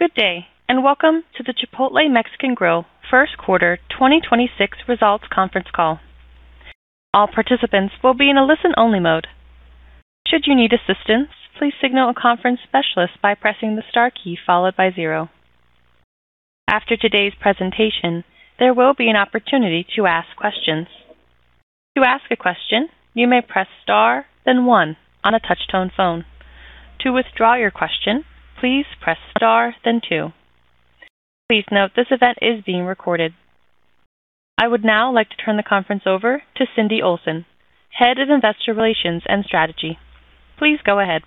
Good day, and welcome to the Chipotle Mexican Grill first quarter 2026 results conference call. All participants will be in a litsten-only mode. Should you need assistance, please signal a conference specialist by pressing the star key followed by zero. After today’s presentation, there would be an opportunity to ask question. To ask a question, you may press star then one on a touchtone phone. To withdraw your question, please press star then two. Please note that this event is being recorded. I would now like to turn the conference over to Cindy Olsen, Head of Investor Relations and Strategy. Please go ahead.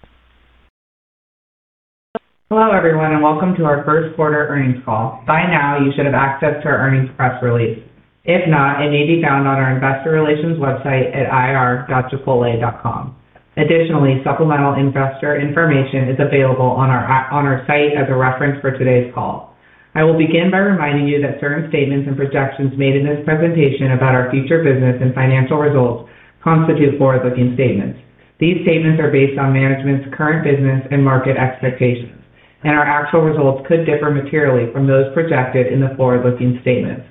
Hello, everyone, and welcome to our first quarter earnings call. By now, you should have access to our earnings press release. If not, it may be found on our investor relations website at ir.chipotle.com. Additionally, supplemental investor information is available on our site as a reference for today's call. I will begin by reminding you that certain statements and projections made in this presentation about our future business and financial results constitute forward-looking statements. These statements are based on management's current business and market expectations, and our actual results could differ materially from those projected in the forward-looking statements.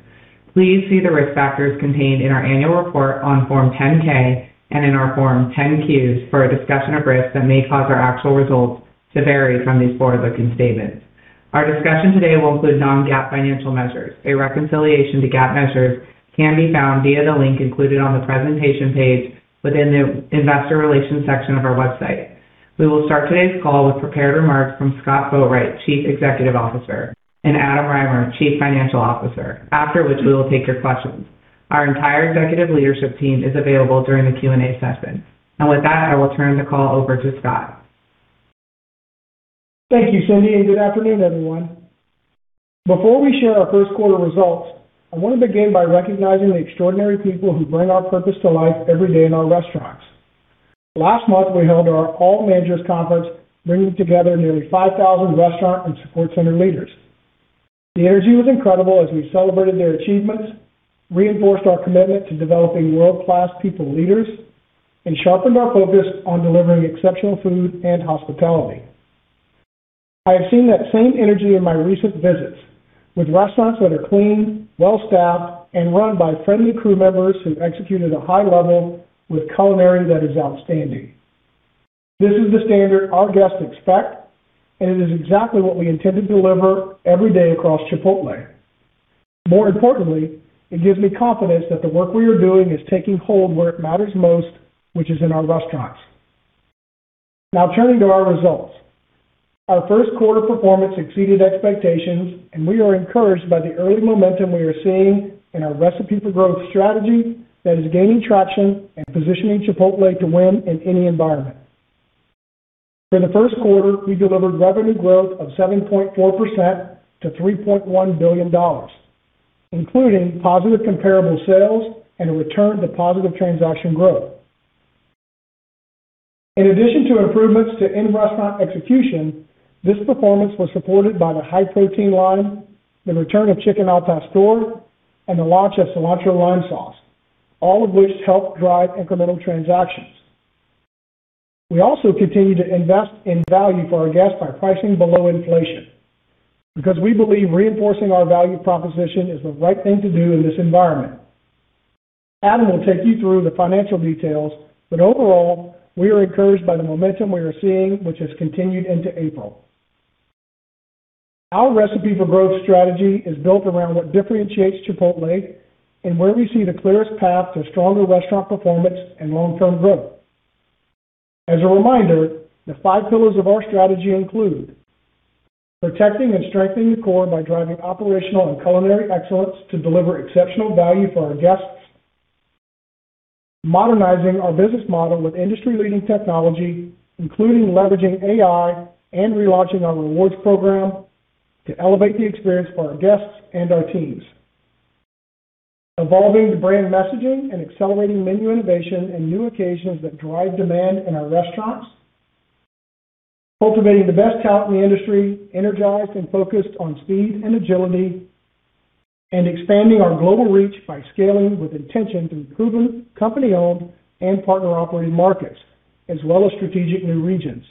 Please see the risk factors contained in our annual report on Form 10-K and in our Form 10-Qs for a discussion of risks that may cause our actual results to vary from these forward-looking statements. Our discussion today will include non-GAAP financial measures. A reconciliation to GAAP measures can be found via the link included on the presentation page within the investor relations section of our website. We will start today's call with prepared remarks from Scott Boatwright, Chief Executive Officer, and Adam Rymer, Chief Financial Officer. After which, we will take your questions. Our entire executive leadership team is available during the Q&A session. With that, I will turn the call over to Scott. Thank you, Cindy, and good afternoon, everyone. Before we share our first quarter results, I want to begin by recognizing the extraordinary people who bring our purpose to life every day in our restaurants. Last month, we held our All Managers Conference, bringing together nearly 5,000 restaurant and support center leaders. The energy was incredible as we celebrated their achievements, reinforced our commitment to developing world-class people leaders, and sharpened our focus on delivering exceptional food and hospitality. I have seen that same energy in my recent visits with restaurants that are clean, well-staffed, and run by friendly crew members who execute at a high level with culinary that is outstanding. This is the standard our guests expect, and it is exactly what we intend to deliver every day across Chipotle. More importantly, it gives me confidence that the work we are doing is taking hold where it matters most, which is in our restaurants. Turning to our results. Our first quarter performance exceeded expectations, and we are encouraged by the early momentum we are seeing in our Recipe for Growth strategy that is gaining traction and positioning Chipotle to win in any environment. For the first quarter, we delivered revenue growth of 7.4% to $3.1 billion, including positive comparable sales and a return to positive transaction growth. In addition to improvements to in-restaurant execution, this performance was supported by the high protein line, the return of Chicken al Pastor, and the launch of Cilantro Lime Sauce, all of which helped drive incremental transactions. We also continue to invest in value for our guests by pricing below inflation because we believe reinforcing our value proposition is the right thing to do in this environment. Adam will take you through the financial details, but overall, we are encouraged by the momentum we are seeing, which has continued into April. Our Recipe for Growth strategy is built around what differentiates Chipotle and where we see the clearest path to stronger restaurant performance and long-term growth. As a reminder, the five pillars of our strategy include: protecting and strengthening the core by driving operational and culinary excellence to deliver exceptional value for our guests. Modernizing our business model with industry-leading technology, including leveraging AI and relaunching our rewards program to elevate the experience for our guests and our teams. Evolving the brand messaging and accelerating menu innovation and new occasions that drive demand in our restaurants. Cultivating the best talent in the industry, energized and focused on speed and agility. Expanding our global reach by scaling with intention through proven company-owned and partner-operated markets, as well as strategic new regions.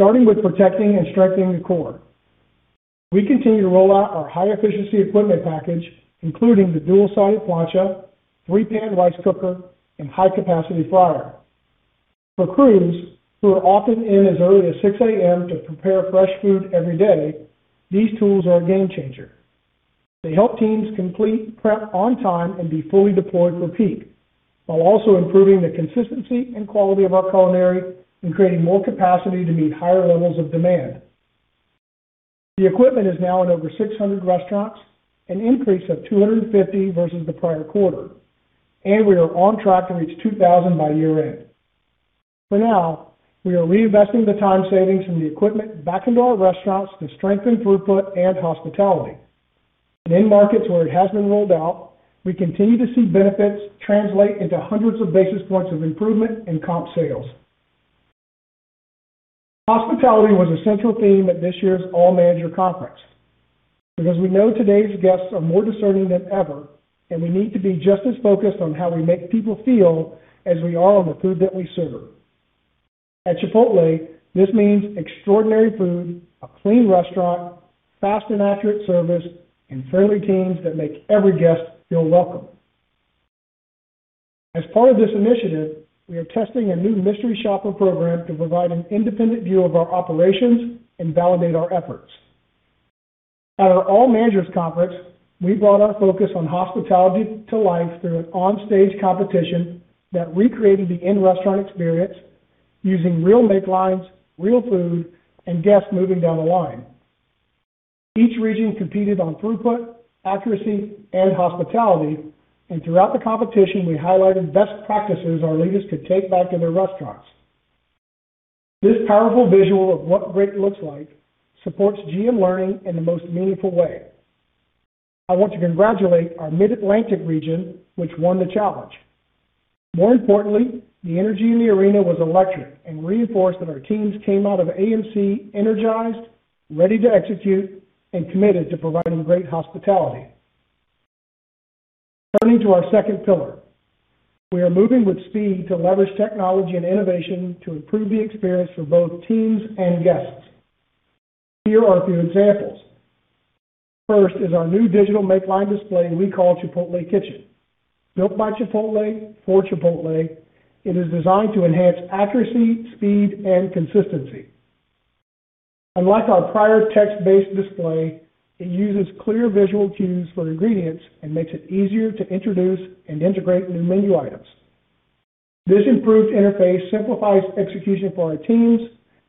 Starting with protecting and strengthening the core. We continue to roll out our high-efficiency equipment package, including the dual-sided plancha, three-pan rice cooker, and high-capacity fryer. For crews who are often in as early as 6:00 A.M. to prepare fresh food every day, these tools are a game changer. They help teams complete prep on time and be fully deployed for peak, while also improving the consistency and quality of our culinary and creating more capacity to meet higher levels of demand. The equipment is now in over 600 restaurants, an increase of 250 versus the prior quarter, and we are on track to reach 2,000 by year-end. We are reinvesting the time savings from the equipment back into our restaurants to strengthen throughput and hospitality. In markets where it has been rolled out, we continue to see benefits translate into hundreds of basis points of improvement in comp sales. Hospitality was a central theme at this year's All Managers Conference. We know today's guests are more discerning than ever, and we need to be just as focused on how we make people feel as we are on the food that we serve. At Chipotle, this means extraordinary food, a clean restaurant, fast and accurate service, and friendly teams that make every guest feel welcome. As part of this initiative, we are testing a new mystery shopper program to provide an independent view of our operations and validate our efforts. At our All Managers Conference, we brought our focus on hospitality to life through an on-stage competition that recreated the in-restaurant experience using real make lines, real food, and guests moving down the line. Each region competed on throughput, accuracy, and hospitality, and throughout the competition, we highlighted best practices our leaders could take back to their restaurants. This powerful visual of what great looks like supports GM learning in the most meaningful way. I want to congratulate our Mid-Atlantic region, which won the challenge. More importantly, the energy in the arena was electric and reinforced that our teams came out of AMC energized, ready to execute, and committed to providing great hospitality. Turning to our second pillar. We are moving with speed to leverage technology and innovation to improve the experience for both teams and guests. Here are a few examples. First is our new digital make line display we call Chipotle Kitchen. Built by Chipotle for Chipotle, it is designed to enhance accuracy, speed, and consistency. Unlike our prior text-based display, it uses clear visual cues for ingredients and makes it easier to introduce and integrate new menu items. This improved interface simplifies execution for our teams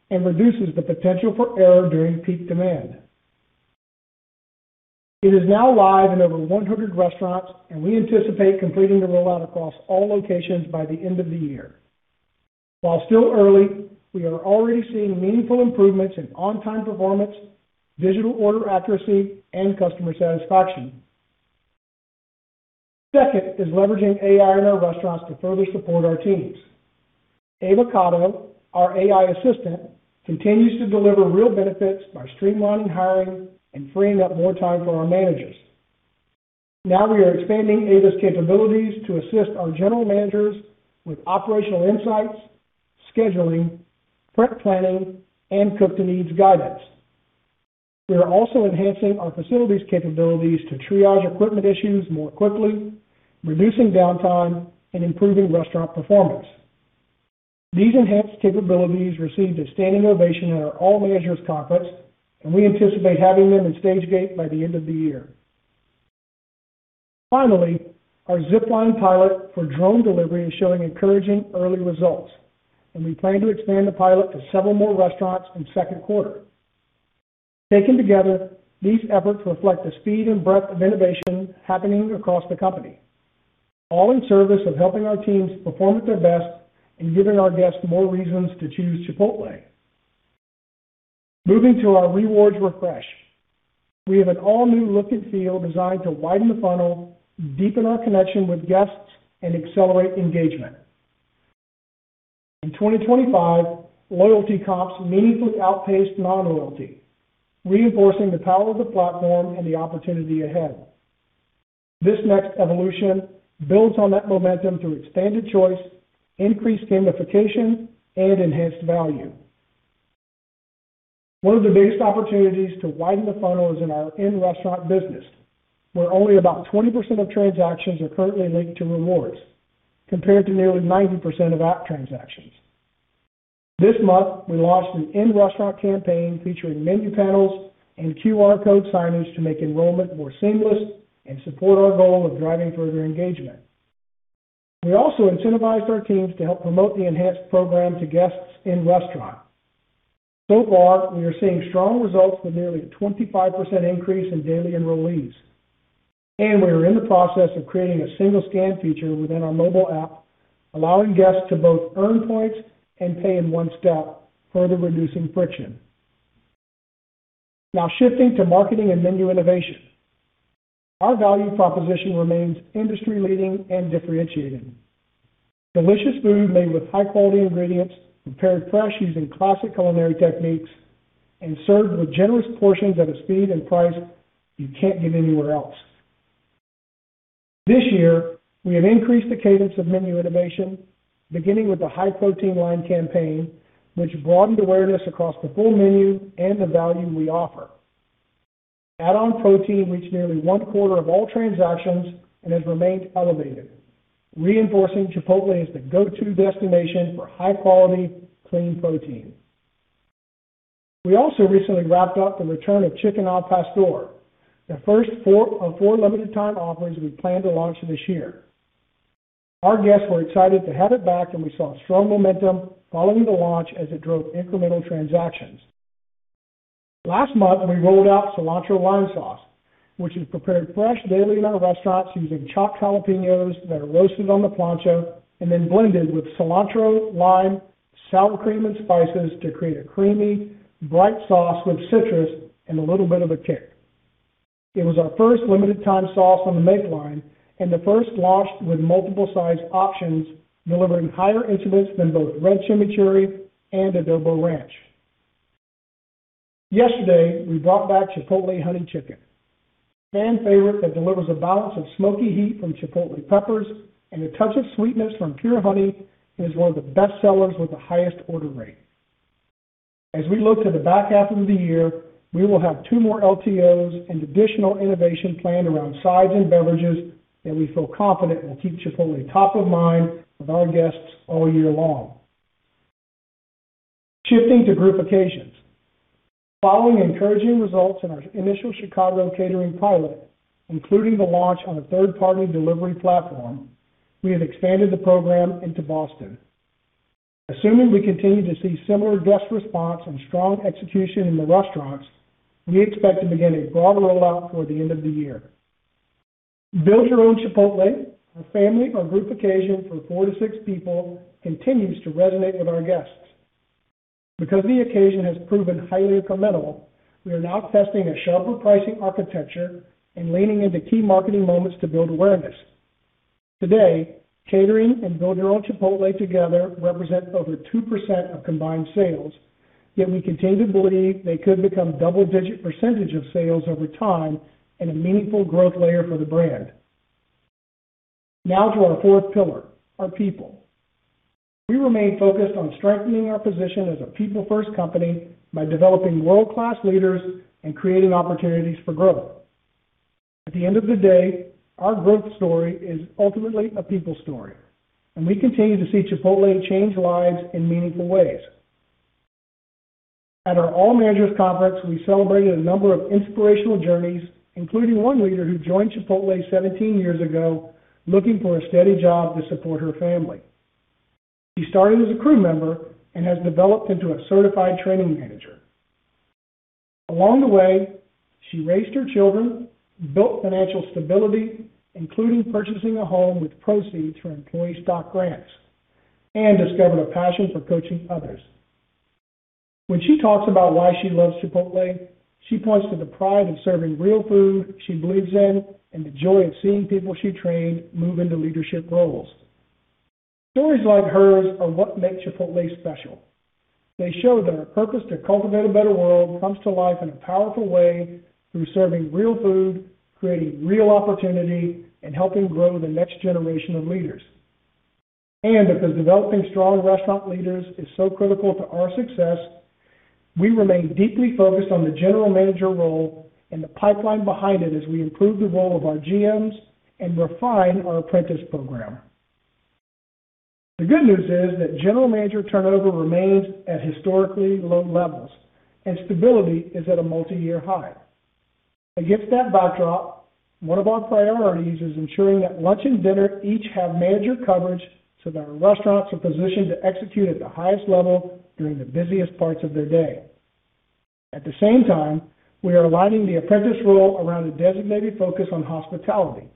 and reduces the potential for error during peak demand. It is now live in over 100 restaurants, and we anticipate completing the rollout across all locations by the end of the year. While still early, we are already seeing meaningful improvements in on-time performance, digital order accuracy, and customer satisfaction. Second is leveraging AI in our restaurants to further support our teams. Ava Cado, our AI assistant, continues to deliver real benefits by streamlining hiring and freeing up more time for our managers. Now we are expanding Ava's capabilities to assist our general managers with operational insights, scheduling, prep planning, and cook to needs guidance. We are also enhancing our facilities capabilities to triage equipment issues more quickly, reducing downtime, and improving restaurant performance. These enhanced capabilities received a standing ovation at our All Managers Conference, and we anticipate having them in stage-gate by the end of the year. Finally, our Zipline pilot for drone delivery is showing encouraging early results, and we plan to expand the pilot to several more restaurants in 2nd quarter. Taken together, these efforts reflect the speed and breadth of innovation happening across the company, all in service of helping our teams perform at their best and giving our guests more reasons to choose Chipotle. Moving to our rewards refresh. We have an all-new look and feel designed to widen the funnel, deepen our connection with guests, and accelerate engagement. In 2025, loyalty comps meaningfully outpaced non-loyalty, reinforcing the power of the platform and the opportunity ahead. This next evolution builds on that momentum through expanded choice, increased gamification, and enhanced value. One of the biggest opportunities to widen the funnel is in our in-restaurant business, where only about 20% of transactions are currently linked to Rewards, compared to nearly 90% of app transactions. This month, we launched an in-restaurant campaign featuring menu panels and QR code signage to make enrollment more seamless and support our goal of driving further engagement. We also incentivized our teams to help promote the enhanced Program to guests in-restaurant. So far, we are seeing strong results with nearly a 25% increase in daily enrollees. We are in the process of creating a single scan feature within our mobile app, allowing guests to both earn points and pay in one step, further reducing friction. Now shifting to marketing and menu innovation. Our value proposition remains industry-leading and differentiating. Delicious food made with high-quality ingredients, prepared fresh using classic culinary techniques, and served with generous portions at a speed and price you can't get anywhere else. This year, we have increased the cadence of menu innovation, beginning with the high-protein line campaign, which broadened awareness across the full menu and the value we offer. Add-on protein reached nearly one quarter of all transactions and has remained elevated, reinforcing Chipotle as the go-to destination for high-quality, clean protein. We also recently wrapped up the return of Chicken al Pastor, the first four of four limited time offerings we plan to launch this year. Our guests were excited to have it back, and we saw strong momentum following the launch as it drove incremental transactions. Last month, we rolled out Cilantro Lime Sauce, which is prepared fresh daily in our restaurants using chopped jalapenos that are roasted on the plancha and then blended with cilantro, lime, sour cream, and spices to create a creamy, bright sauce with citrus and a little bit of a kick. It was our first limited time sauce on the make line and the first launched with multiple size options, delivering higher incidence than both Red Chimichurri and Adobo Ranch. Yesterday, we brought back Chipotle Honey Chicken. Fan favorite that delivers a balance of smoky H.E.A.T from chipotle peppers and a touch of sweetness from pure honey is one of the best sellers with the highest order rate. As we look to the back half of the year, we will have two more LTOs and additional innovation planned around sides and beverages that we feel confident will keep Chipotle top of mind with our guests all year long. Shifting to group occasions. Following encouraging results in our initial Chicago catering pilot, including the launch on a third-party delivery platform, we have expanded the program into Boston. Assuming we continue to see similar guest response and strong execution in the restaurants, we expect to begin a broader rollout before the end of the year. Build Your Own Chipotle, a family or group occasion for four to six people, continues to resonate with our guests. Because the occasion has proven highly incremental, we are now testing a sharper pricing architecture and leaning into key marketing moments to build awareness. Today, catering and Build Your Own Chipotle together represent over 2% of combined sales. We continue to believe they could become double-digit % of sales over time and a meaningful growth layer for the brand. To our fourth pillar, our people. We remain focused on strengthening our position as a people-first company by developing world-class leaders and creating opportunities for growth. At the end of the day, our growth story is ultimately a people story, and we continue to see Chipotle change lives in meaningful ways. At our All Managers Conference, we celebrated a number of inspirational journeys, including one leader who joined Chipotle 17 years ago, looking for a steady job to support her family. She started as a crew member and has developed into a certified training manager. Along the way, she raised her children, built financial stability, including purchasing a home with proceeds from employee stock grants, and discovered a passion for coaching others. When she talks about why she loves Chipotle, she points to the pride of serving real food she believes in and the joy of seeing people she trained move into leadership roles. Stories like hers are what make Chipotle special. They show that our purpose to cultivate a better world comes to life in a powerful way through serving real food, creating real opportunity, and helping grow the next generation of leaders. Because developing strong restaurant leaders is so critical to our success, we remain deeply focused on the general manager role and the pipeline behind it as we improve the role of our GMs and refine our apprentice program. The good news is that general manager turnover remains at historically low levels, and stability is at a multi-year high. Against that backdrop, one of our priorities is ensuring that lunch and dinner each have manager coverage so that our restaurants are positioned to execute at the highest level during the busiest parts of their day. At the same time, we are aligning the apprentice role around a designated focus on hospitality.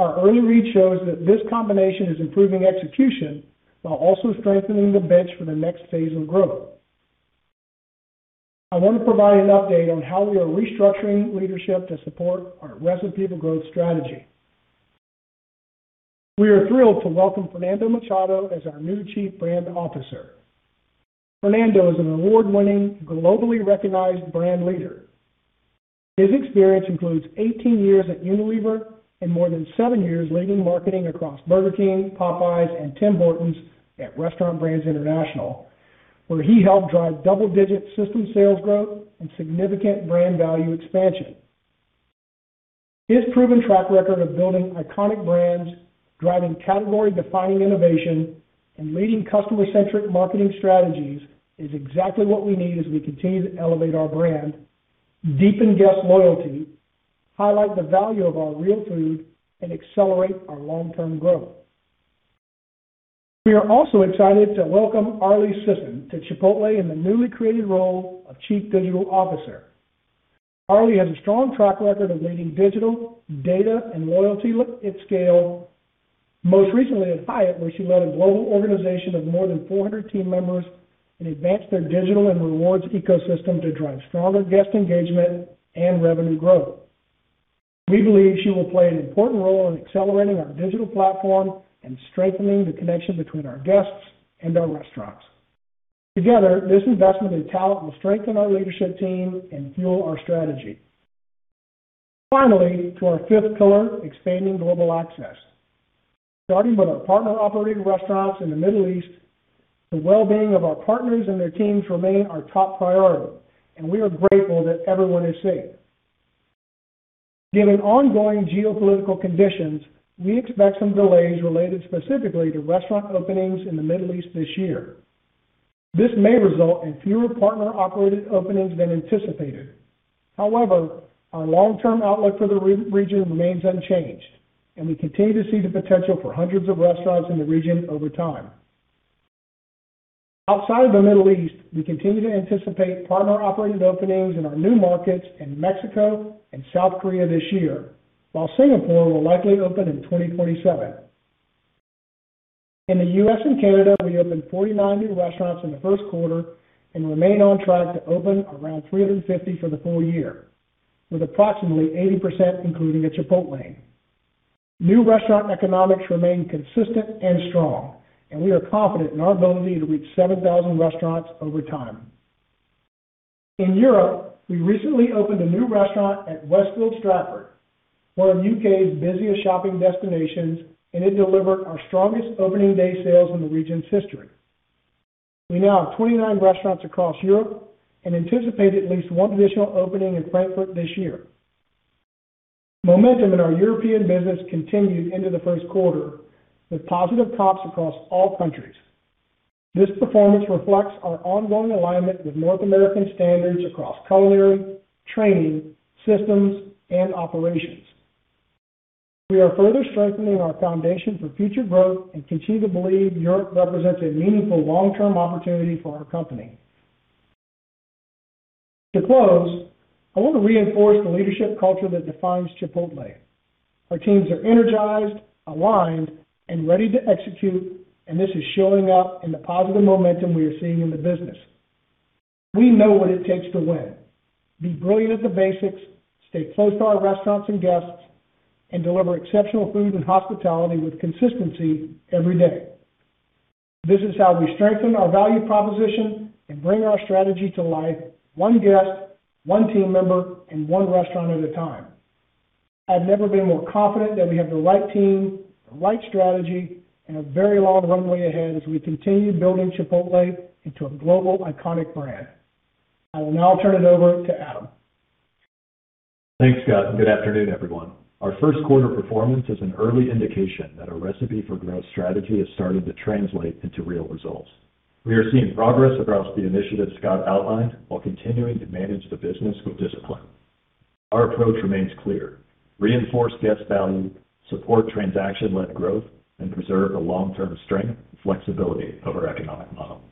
Our early read shows that this combination is improving execution while also strengthening the bench for the next phase of growth. I want to provide an update on how we are restructuring leadership to support our Recipe for Growth strategy. We are thrilled to welcome Fernando Machado as our new Chief Brand Officer. Fernando is an award-winning, globally recognized brand leader. His experience includes 18 years at Unilever and more than seven years leading marketing across Burger King, Popeyes, and Tim Hortons at Restaurant Brands International, where he helped drive double-digit system sales growth and significant brand value expansion. His proven track record of building iconic brands, driving category-defining innovation, and leading customer-centric marketing strategies is exactly what we need as we continue to elevate our brand, deepen guest loyalty, highlight the value of our real food, and accelerate our long-term growth. We are also excited to welcome Arlie Sisson to Chipotle in the newly created role of Chief Digital Officer. Arlie has a strong track record of leading digital, data, and loyalty at scale. Most recently at Hyatt, where she led a global organization of more than 400 team members and advanced their digital and rewards ecosystem to drive stronger guest engagement and revenue growth. We believe she will play an important role in accelerating our digital platform and strengthening the connection between our guests and our restaurants. Together, this investment in talent will strengthen our leadership team and fuel our strategy. Finally, to our fifth pillar, expanding global access. Starting with our partner-operated restaurants in the Middle East, the well-being of our partners and their teams remain our top priority, and we are grateful that everyone is safe. Given ongoing geopolitical conditions, we expect some delays related specifically to restaurant openings in the Middle East this year. This may result in fewer partner-operated openings than anticipated. However, our long-term outlook for the region remains unchanged, and we continue to see the potential for hundreds of restaurants in the region over time. Outside of the Middle East, we continue to anticipate partner-operated openings in our new markets in Mexico and South Korea this year, while Singapore will likely open in 2027. In the U.S. and Canada, we opened 49 new restaurants in the first quarter and remain on track to open around 350 for the full year, with approximately 80% including a Chipotle. New restaurant economics remain consistent and strong, and we are confident in our ability to reach 7,000 restaurants over time. In Europe, we recently opened a new restaurant at Westfield Stratford, one of U.K.'s busiest shopping destinations, and it delivered our strongest opening day sales in the region's history. We now have 29 restaurants across Europe and anticipate at least one additional opening in this year. Momentum in our European business continued into the first quarter with positive comps across all countries. This performance reflects our ongoing alignment with North American standards across culinary, training, systems, and operations. We are further strengthening our foundation for future growth and continue to believe Europe represents a meaningful long-term opportunity for our company. To close, I want to reinforce the leadership culture that defines Chipotle. Our teams are energized, aligned, and ready to execute, and this is showing up in the positive momentum we are seeing in the business. We know what it takes to win. Be brilliant at the basics, stay close to our restaurants and guests, and deliver exceptional food and hospitality with consistency every day. This is how we strengthen our value proposition and bring our strategy to life one guest, one team member, and one restaurant at a time. I've never been more confident that we have the right team, the right strategy, and a very long runway ahead as we continue building Chipotle into a global iconic brand. I will now turn it over to Adam. Thanks, Scott, and good afternoon, everyone. Our first quarter performance is an early indication that our Recipe for Growth strategy has started to translate into real results. We are seeing progress across the initiatives Scott outlined while continuing to manage the business with discipline. Our approach remains clear. Reinforce guest value, support transaction-led growth, and preserve the long-term strength and flexibility of our economic model.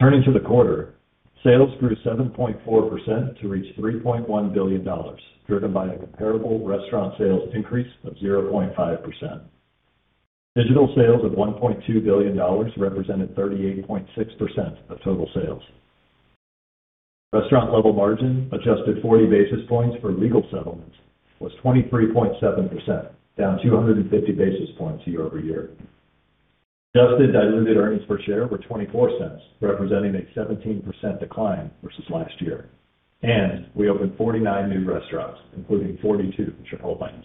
Turning to the quarter, sales grew 7.4% to reach $3.1 billion, driven by a comparable restaurant sales increase of 0.5%. Digital sales of $1.2 billion represented 38.6% of total sales. Restaurant level margin, adjusted 40 basis points for legal settlements, was 23.7%, down 250 basis points year-over-year. Adjusted diluted earnings per share were $0.24, representing a 17% decline versus last year. We opened 49 new restaurants, including 42 Chipotles.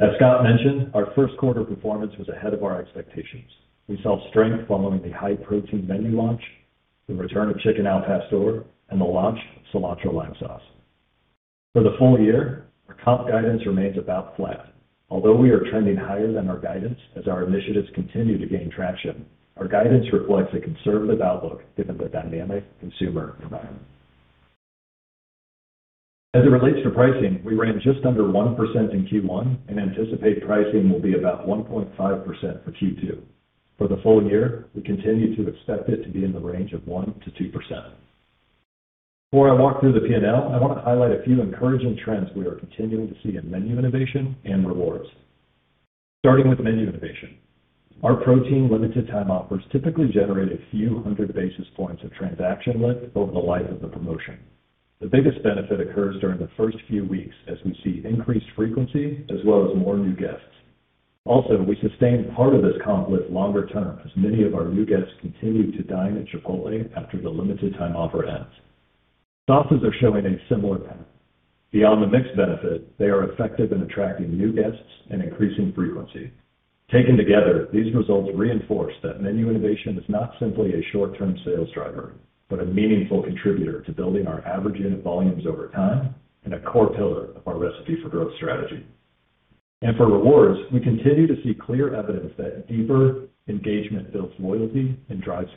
As Scott mentioned, our first quarter performance was ahead of our expectations. We saw strength following the high-protein menu launch, the return of Chicken al Pastor, and the launch of Cilantro Lime Sauce. For the full year, our comp guidance remains about flat. Although we are trending higher than our guidance as our initiatives continue to gain traction, our guidance reflects a conservative outlook given the dynamic consumer environment. As it relates to pricing, we ran just under 1% in Q1 and anticipate pricing will be about 1.5% for Q2. For the full year, we continue to expect it to be in the range of 1%-2%. Before I walk through the P&L, I want to highlight a few encouraging trends we are continuing to see in menu innovation and rewards. Starting with menu innovation. Our protein limited time offers typically generate a few hundred basis points of transaction lift over the life of the promotion. The biggest benefit occurs during the first few weeks as we see increased frequency as well as more new guests. Also, we sustain part of this comp lift longer term as many of our new guests continue to dine at Chipotle after the limited time offer ends. Sauces are showing a similar pattern. Beyond the mix benefit, they are effective in attracting new guests and increasing frequency. Taken together, these results reinforce that menu innovation is not simply a short-term sales driver, but a meaningful contributor to building our average unit volumes over time and a core pillar of our Recipe for Growth strategy. For rewards, we continue to see clear evidence that deeper engagement builds loyalty and drives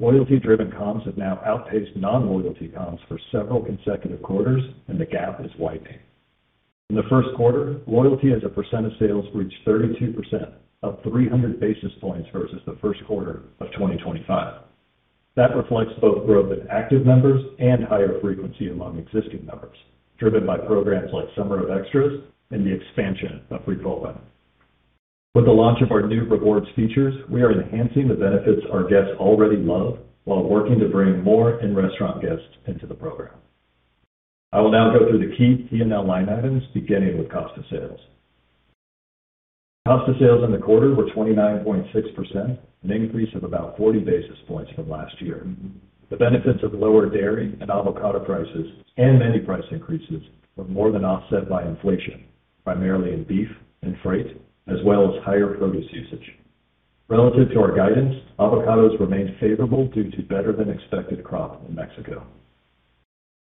comps. Loyalty-driven comps have now outpaced non-loyalty comps for several consecutive quarters. The gap is widening. In the first quarter, loyalty as a percentage of sales reached 32%, up 300 basis points versus the first quarter of 2025. That reflects both growth in active members and higher frequency among existing members, driven by programs like Summer of Extras and the expansion of Free Bowl Wednesday. With the launch of our new rewards features, we are enhancing the benefits our guests already love while working to bring more in-restaurant guests into the program. I will now go through the key P&L line items, beginning with cost of sales. Cost of sales in the quarter were 29.6%, an increase of about 40 basis points from last year. The benefits of lower dairy and avocado prices and menu price increases were more than offset by inflation, primarily in beef and freight, as well as higher produce usage. Relative to our guidance, avocados remained favorable due to better than expected crop in Mexico.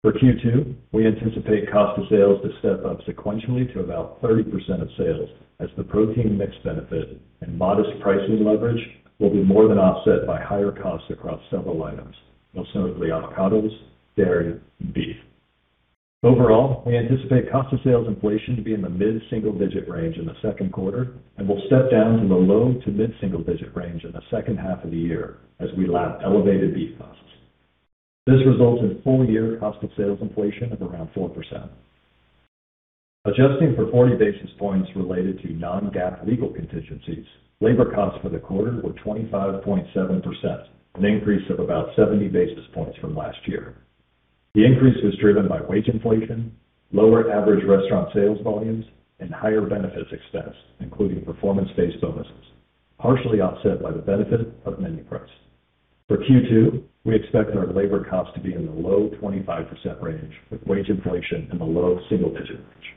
For Q2, we anticipate cost of sales to step up sequentially to about 30% of sales as the protein mix benefit and modest pricing leverage will be more than offset by higher costs across several items, most notably avocados, dairy, and beef. Overall, we anticipate cost of sales inflation to be in the mid-single-digit range in the second quarter and will step down to the low to mid-single-digit range in the second half of the year as we lap elevated beef costs. This results in full year cost of sales inflation of around 4%. Adjusting for 40 basis points related to non-GAAP legal contingencies, labor costs for the quarter were 25.7%, an increase of about 70 basis points from last year. The increase was driven by wage inflation, lower average restaurant sales volumes, and higher benefits expense, including performance-based bonuses, partially offset by the benefit of menu price. For Q2, we expect our labor costs to be in the low 25% range, with wage inflation in the low single-digit range.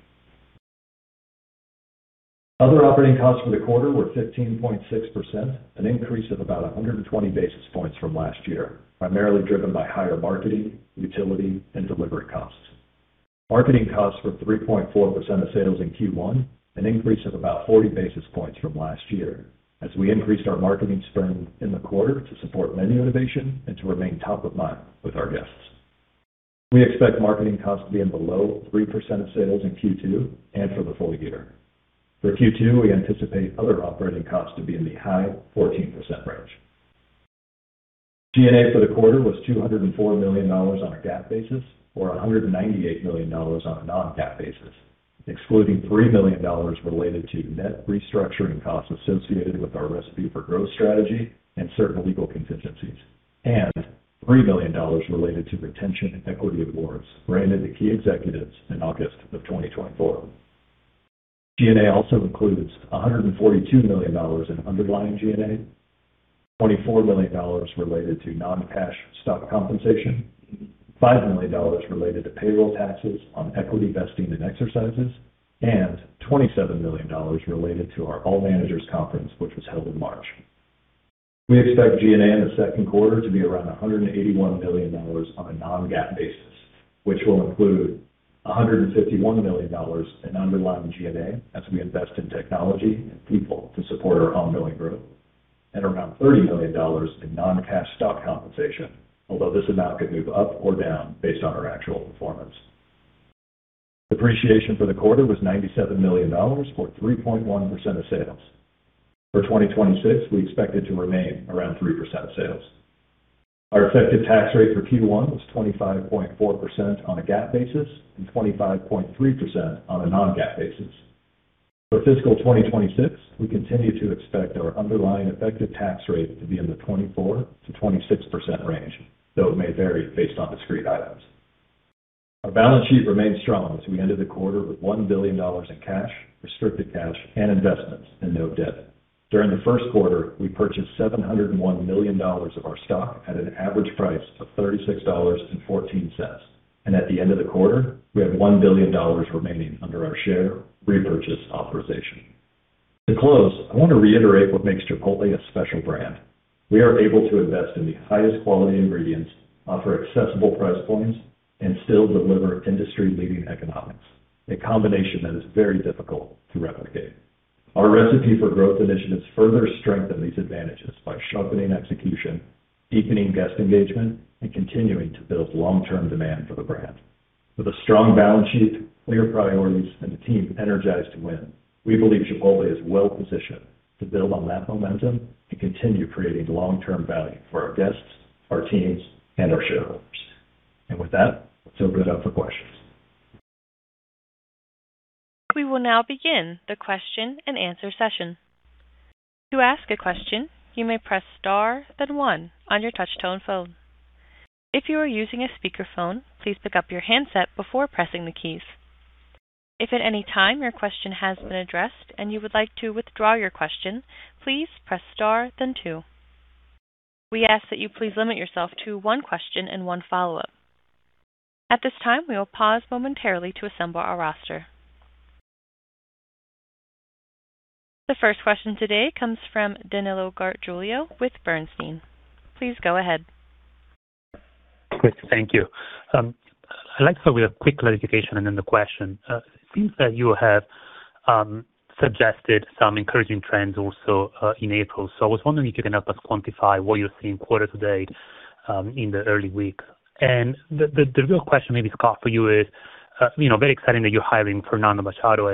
Other operating costs for the quarter were 15.6%, an increase of about 120 basis points from last year, primarily driven by higher marketing, utility, and delivery costs. Marketing costs were 3.4% of sales in Q1, an increase of about 40 basis points from last year as we increased our marketing spend in the quarter to support menu innovation and to remain top of mind with our guests. We expect marketing costs to be in below 3% of sales in Q2 and for the full year. For Q2, we anticipate other operating costs to be in the high 14% range. G&A for the quarter was $204 million on a GAAP basis or $198 million on a non-GAAP basis, excluding $3 million related to net restructuring costs associated with our Recipe for Growth strategy and certain legal contingencies, and $3 million related to retention and equity awards granted to key executives in August of 2024. G&A also includes $142 million in underlying G&A, $24 million related to non-cash stock compensation, $5 million related to payroll taxes on equity vesting and exercises, and $27 million related to our All Managers Conference, which was held in March. We expect G&A in the second quarter to be around $181 million on a non-GAAP basis, which will include $151 million in underlying G&A as we invest in technology and people to support our ongoing growth, and around $30 million in non-cash stock compensation, although this amount could move up or down based on our actual performance. Depreciation for the quarter was $97 million, or 3.1% of sales. For 2026, we expect it to remain around 3% of sales. Our effective tax rate for Q1 was 25.4% on a GAAP basis and 25.3% on a non-GAAP basis. For fiscal 2026, we continue to expect our underlying effective tax rate to be in the 24%-26% range, though it may vary based on discrete items. Our balance sheet remains strong as we ended the quarter with $1 billion in cash, restricted cash and investments and no debt. During the first quarter, we purchased $701 million of our stock at an average price of $36.14. At the end of the quarter, we had $1 billion remaining under our share repurchase authorization. To close, I want to reiterate what makes Chipotle a special brand. We are able to invest in the highest quality ingredients, offer accessible price points, and still deliver industry-leading economics, a combination that is very difficult to replicate. Our Recipe for Growth initiatives further strengthen these advantages by sharpening execution, deepening guest engagement, and continuing to build long-term demand for the brand. With a strong balance sheet, clear priorities, and a team energized to win, we believe Chipotle is well positioned to build on that momentum and continue creating long-term value for our guests, our teams, and our shareholders. With that, let's open it up for questions. We will now begin the question-and-answer session. To ask a question, you may press star then one on your touchtone phone. If you are using a speakerphone, please pick up your handset before pressing the keys. If at any time your question has been addressed and you would like to withdraw your question, please press star then two. We ask that you please limit yourself to one question and one follow-up. At this time, we will pause momentarily to assemble our roster. The first question today comes from Danilo Gargiulo with Bernstein. Please go ahead. Great. Thank you. I'd like to start with a quick clarification and then the question. It seems that you have suggested some encouraging trends also in April. So I was wondering if you can help us quantify what you're seeing quarter to date in the early weeks. The real question maybe, Scott, for you is, you know, very exciting that you're hiring Fernando Machado,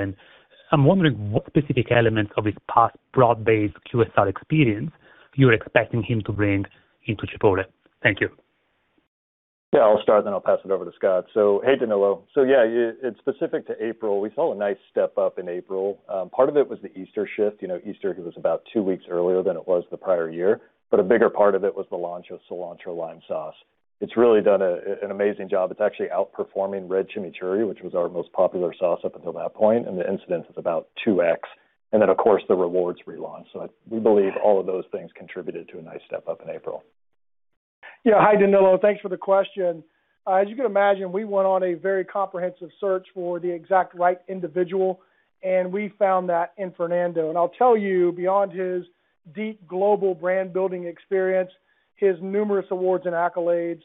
and I'm wondering what specific elements of his past broad-based QSR experience you're expecting him to bring into Chipotle. Thank you. Yeah, I'll start, then I'll pass it over to Scott. Hey, Danilo. Yeah, it's specific to April. We saw a nice step up in April. Part of it was the Easter shift. You know, Easter was about two weeks earlier than it was the prior year, but a bigger part of it was the launch of Cilantro Lime Sauce. It's really done an amazing job. It's actually outperforming Red Chimichurri, which was our most popular sauce up until that point, and the incidence is about 2x. Of course, the rewards relaunch. We believe all of those things contributed to a nice step up in April. Yeah. Hi, Danilo. Thanks for the question. As you can imagine, we went on a very comprehensive search for the exact right individual, we found that in Fernando. I'll tell you, beyond his deep global brand building experience, his numerous awards and accolades,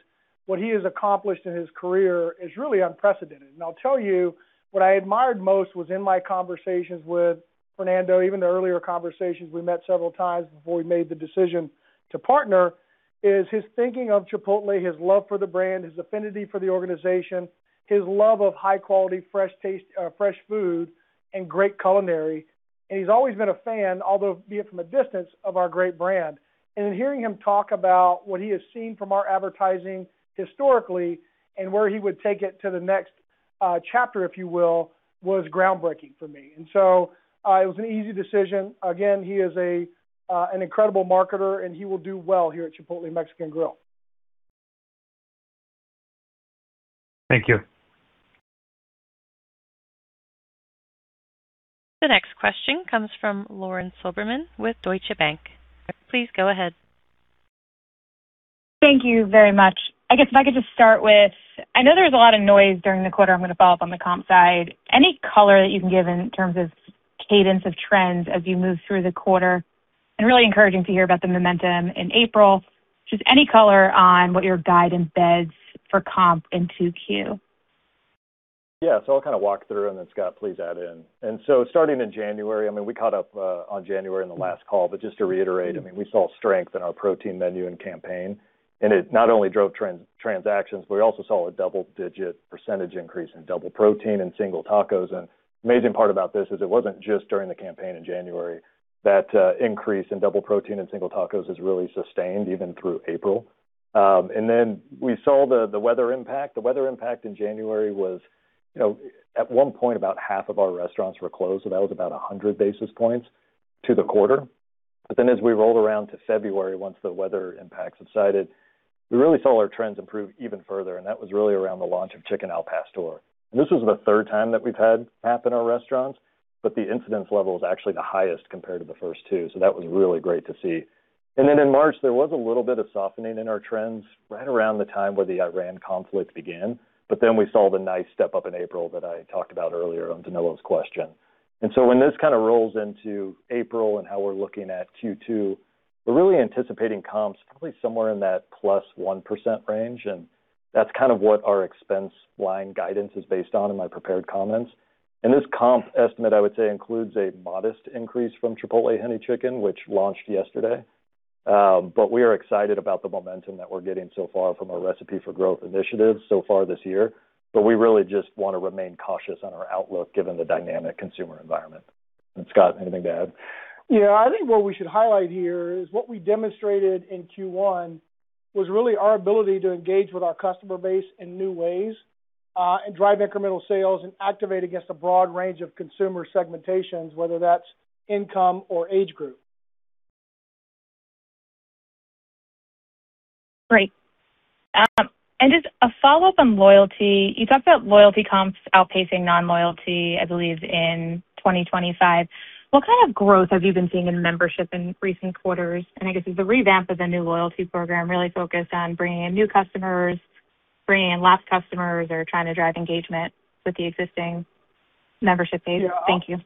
what he has accomplished in his career is really unprecedented. I'll tell you what I admired most was in my conversations with Fernando, even the earlier conversations, we met several times before we made the decision to partner, is his thinking of Chipotle, his love for the brand, his affinity for the organization, his love of high quality, fresh taste, fresh food and great culinary. He's always been a fan, although be it from a distance, of our great brand. In hearing him talk about what he has seen from our advertising historically and where he would take it to the next chapter, if you will, was groundbreaking for me. It was an easy decision. Again, he is an incredible marketer, and he will do well here at Chipotle Mexican Grill. Thank you. The next question comes from Lauren Silberman with Deutsche Bank. Please go ahead. Thank you very much. I guess if I could just start with, I know there was a lot of noise during the quarter. I'm gonna follow up on the comp side. Any color that you can give in terms of cadence of trends as you move through the quarter? Really encouraging to hear about the momentum in April. Just any color on what your guide embeds for comp in 2Q. Yeah. I'll kind of walk through, and then, Scott, please add in. Starting in January, I mean, we caught up on January in the last call, but just to reiterate, I mean, we saw strength in our protein menu and campaign. It not only drove transactions, but we also saw a double-digit % increase in double protein and single tacos. Amazing part about this is it wasn't just during the campaign in January. That increase in double protein and single tacos has really sustained even through April. We saw the weather impact. The weather impact in January was, you know, at one point, about half of our restaurants were closed, so that was about 100 basis points to the quarter. As we rolled around to February, once the weather impact subsided, we really saw our trends improve even further, that was really around the launch of Chicken al Pastor. This was the third time that we've had app in our restaurants, but the incidence level is actually the highest compared to the first two. That was really great to see. In March, there was a little bit of softening in our trends right around the time where the Iran conflict began. We saw the nice step-up in April that I had talked about earlier on Danilo's question. When this kind of rolls into April and how we're looking at Q2, we're really anticipating comps probably somewhere in that +1% range, that's kind of what our expense line guidance is based on in my prepared comments. This comp estimate, I would say, includes a modest increase from Chipotle Honey Chicken, which launched yesterday. We are excited about the momentum that we're getting so far from our Recipe for Growth initiative so far this year. We really just wanna remain cautious on our outlook given the dynamic consumer environment. Scott, anything to add? Yeah. I think what we should highlight here is what we demonstrated in Q1 was really our ability to engage with our customer base in new ways, and drive incremental sales and activate against a broad range of consumer segmentations, whether that's income or age group. Great. Just a follow-up on loyalty. You talked about loyalty comps outpacing non-loyalty, I believe, in 2025. What kind of growth have you been seeing in membership in recent quarters? I guess, is the revamp of the new loyalty program really focused on bringing in new customers, bringing in lost customers, or trying to drive engagement with the existing membership base? Yeah. Thank you.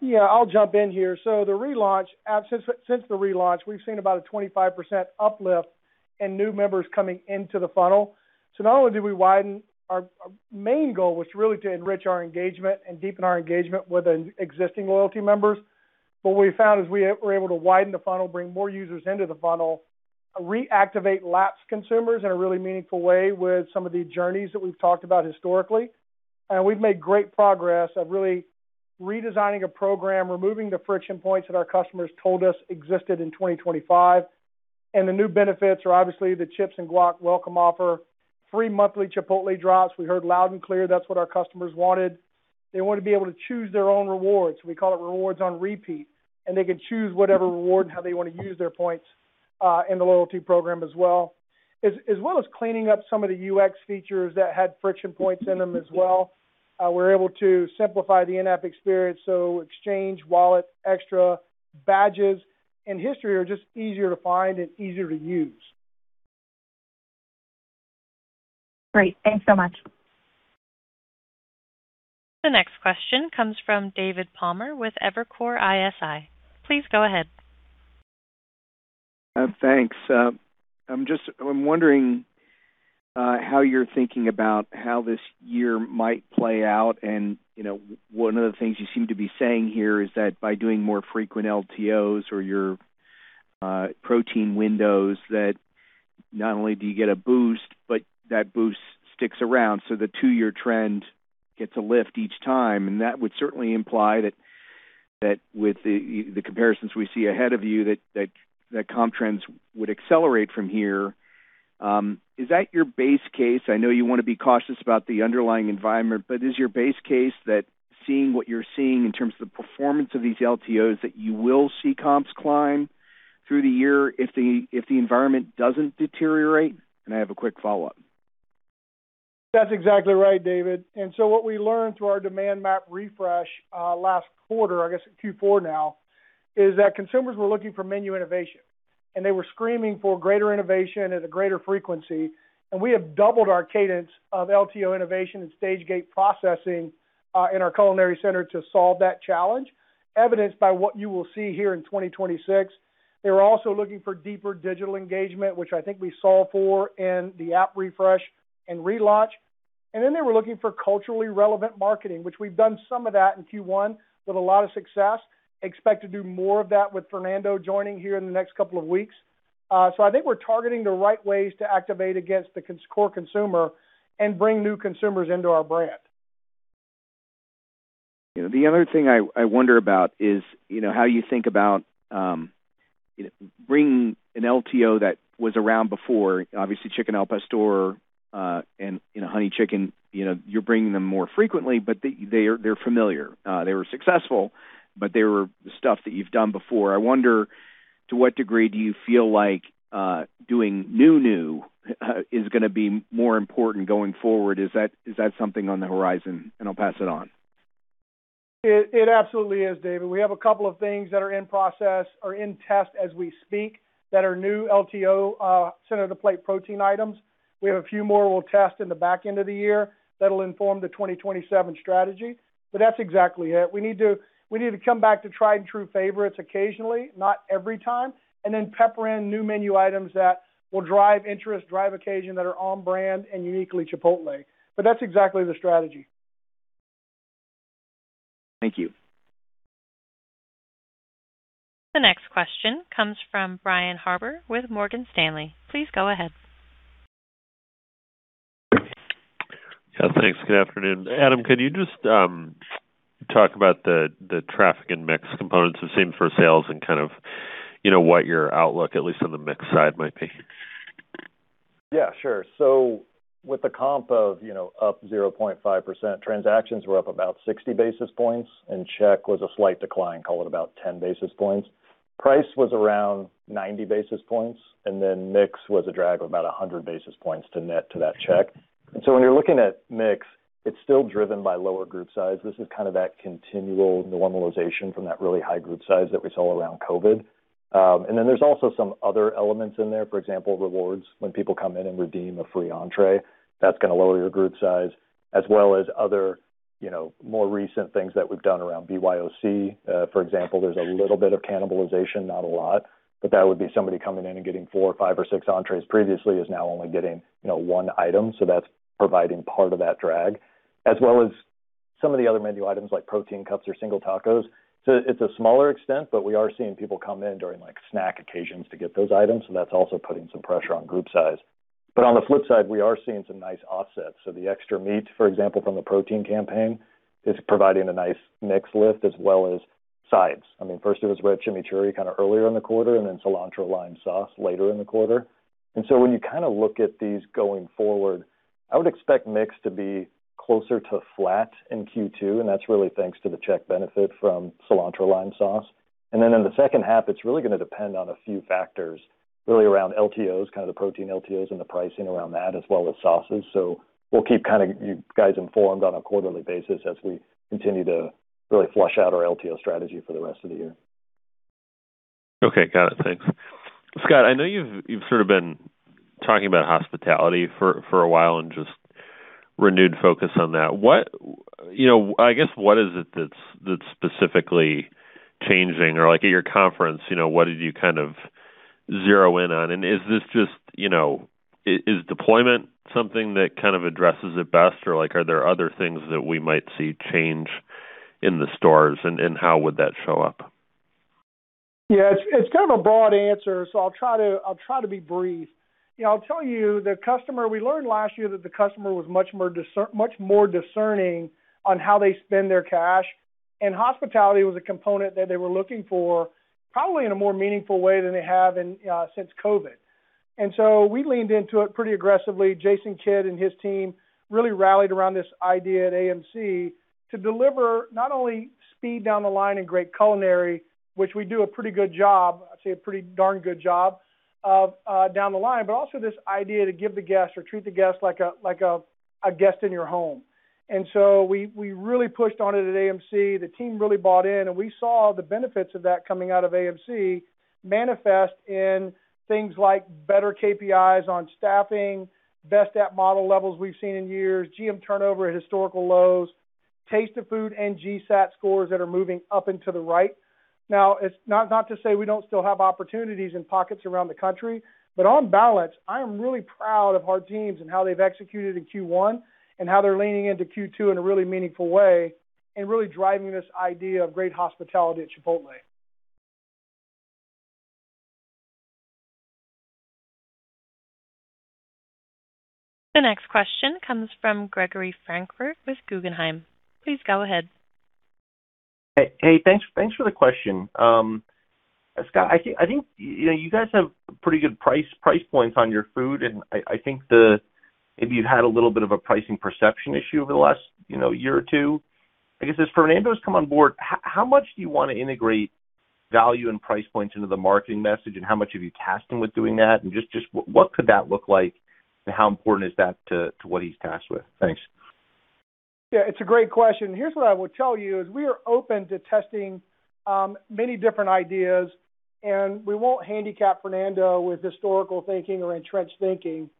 Yeah. I'll jump in here. Since the relaunch, we've seen about a 25% uplift in new members coming into the funnel. Not only did we widen our main goal, which is really to enrich our engagement and deepen our engagement with existing loyalty members, what we found is we were able to widen the funnel, bring more users into the funnel, reactivate lapsed consumers in a really meaningful way with some of the journeys that we've talked about historically. We've made great progress of really redesigning a program, removing the friction points that our customers told us existed in 2025. The new benefits are obviously the chips and guac welcome offer, free monthly Chipotle drops. We heard loud and clear that's what our customers wanted. They want to be able to choose their own rewards. We call it Rewards on Repeat, and they can choose whatever reward and how they wanna use their points in the loyalty program as well. As well as cleaning up some of the UX features that had friction points in them as well, we're able to simplify the in-app experience, so exchange, wallet, extra, badges, and history are just easier to find and easier to use. Great. Thanks so much. The next question comes from David Palmer with Evercore ISI. Please go ahead. Thanks. I'm wondering, how you're thinking about how this year might play out. You know, one of the things you seem to be saying here is that by doing more frequent LTOs or your protein windows, that not only do you get a boost, but that boost sticks around. The two-year trend gets a lift each time. That would certainly imply that with the comparisons we see ahead of you that comp trends would accelerate from here. Is that your base case? I know you wanna be cautious about the underlying environment, but is your base case that seeing what you're seeing in terms of the performance of these LTOs, that you will see comps climb through the year if the environment doesn't deteriorate? I have a quick follow-up. That's exactly right, David. What we learned through our demand map refresh, last quarter, I guess Q4 now, is that consumers were looking for menu innovation, and they were screaming for greater innovation at a greater frequency. We have doubled our cadence of LTO innovation and stage-gate processing in our culinary center to solve that challenge, evidenced by what you will see here in 2026. They were also looking for deeper digital engagement, which I think we solved for in the app refresh and relaunch. They were looking for culturally relevant marketing, which we've done some of that in Q1 with a lot of success. Expect to do more of that with Fernando joining here in the next couple of weeks. I think we're targeting the right ways to activate against the core consumer and bring new consumers into our brand. You know, the other thing I wonder about is, you know, how you think about, you know, bringing an LTO that was around before, obviously Chicken al Pastor, and, you know, Honey Chicken, you know, you're bringing them more frequently, but they're familiar. They were successful, they were stuff that you've done before. I wonder to what degree do you feel like doing new is gonna be more important going forward? Is that something on the horizon? I'll pass it on. It absolutely is, David. We have a couple of things that are in process or in test as we speak that are new LTO center of the plate protein items. We have a few more we'll test in the back end of the year that'll inform the 2027 strategy. That's exactly it. We need to come back to tried and true favorites occasionally, not every time, and then pepper in new menu items that will drive interest, drive occasion, that are on brand and uniquely Chipotle. That's exactly the strategy. Thank you. The next question comes from Brian Harbour with Morgan Stanley. Please go ahead. Yeah, thanks. Good afternoon. Adam, could you just talk about the traffic and mix components, the same for sales and kind of, you know, what your outlook, at least on the mix side, might be? Yeah, sure. With the comp of, you know, up 0.5%, transactions were up about 60 basis points, and check was a slight decline, call it about 10 basis points. Price was around 90 basis points, mix was a drag of about 100 basis points to net to that check. When you're looking at mix, it's still driven by lower group size. This is kind of that continual normalization from that really high group size that we saw around COVID. Then there's also some other elements in there. For example, rewards. When people come in and redeem a free entrée, that's gonna lower your group size, as well as other, you know, more recent things that we've done around BYOC. For example, there's a little bit of cannibalization, not a lot, that would be somebody coming in and getting four or five or six entrees previously is now only getting, you know, one item. That's providing part of that drag. As well as some of the other menu items like protein cups or single tacos. It's a smaller extent, we are seeing people come in during, like, snack occasions to get those items, that's also putting some pressure on group size. On the flip side, we are seeing some nice offsets. The extra meat, for example, from the protein campaign is providing a nice mix lift as well as sides. I mean, first it was Red Chimichurri kind of earlier in the quarter Cilantro Lime Sauce later in the quarter. When you kind of look at these going forward, I would expect mix to be closer to flat in Q2, and that's really thanks to the check benefit from Cilantro Lime Sauce. In the second half, it's really going to depend on a few factors really around LTOs, kind of the protein LTOs and the pricing around that, as well as sauces. We'll keep kind of you guys informed on a quarterly basis as we continue to really flush out our LTO strategy for the rest of the year. Okay. Got it. Thanks. Scott, I know you've sort of been talking about hospitality for a while and just renewed focus on that. You know, I guess, what is it that's specifically changing? Like, at your Conference, you know, what did you kind of zero in on? Is deployment something that kind of addresses it best? Like, are there other things that we might see change in the stores, and how would that show up? It's, it's kind of a broad answer. I'll try to, I'll try to be brief. You know, I'll tell you, the customer, we learned last year that the customer was much more discerning on how they spend their cash, and hospitality was a component that they were looking for probably in a more meaningful way than they have in since COVID. We leaned into it pretty aggressively. Jason Kidd and his team really rallied around this idea at AMC to deliver not only speed down the line and great culinary, which we do a pretty good job, I'd say a pretty darn good job of down the line, but also this idea to give the guest or treat the guest like a guest in your home. We really pushed on it at AMC. The team really bought in, and we saw the benefits of that coming out of AMC manifest in things like better KPIs on staffing, best app model levels we've seen in years, GM turnover at historical lows, taste of food and GSAT scores that are moving up and to the right. It's not to say we don't still have opportunities in pockets around the country, but on balance, I am really proud of our teams and how they've executed in Q1 and how they're leaning into Q2 in a really meaningful way and really driving this idea of great hospitality at Chipotle. The next question comes from Gregory Francfort with Guggenheim. Please go ahead. Hey, hey, thanks for the question. Scott, I think, you know, you guys have pretty good price points on your food, and I think the maybe you've had a little bit of a pricing perception issue over the last, you know, year or two. I guess as Fernando's come on board, how much do you want to integrate value and price points into the marketing message, and how much have you tasked him with doing that? Just what could that look like, and how important is that to what he's tasked with? Thanks. Yeah, it's a great question. Here's what I would tell you, is we are open to testing many different ideas, and we won't handicap Fernando with historical thinking or entrenched thinking.